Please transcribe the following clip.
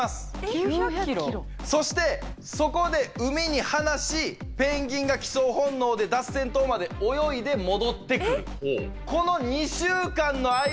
そしてそこで海に放しペンギンが帰巣本能でダッセン島まで泳いで戻ってくる。